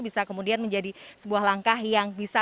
bisa kemudian menjadi sebuah langkah yang bisa